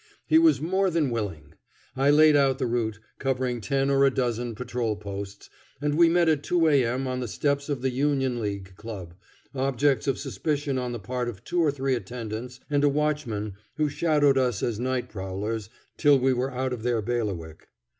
He was more than willing. I laid out the route, covering ten or a dozen patrol posts, and we met at 2 A.M. on the steps of the Union League Club, objects of suspicion on the part of two or three attendants and a watchman who shadowed us as night prowlers till we were out of their bailiwick.